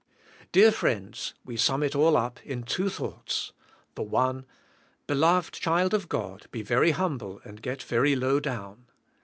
Dear friends, we sum it all up in two thoughts. The one: Beloved child of God be very humble and get very low down.